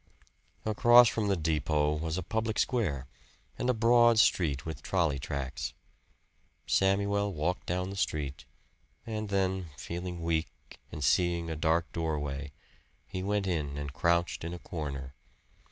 Across from the depot was a public square, and a broad street with trolley tracks. Samuel walked down the street; and then, feeling weak and seeing a dark doorway, he went in and crouched in a corner.